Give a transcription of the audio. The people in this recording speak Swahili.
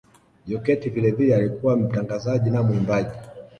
Jokate vilevile alikuwa mtangazaji na mwimbaji